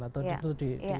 atau itu di